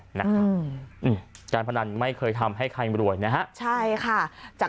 อืมอืมจารย์พนันไม่เคยทำให้ใครรวยนะฮะใช่ค่ะ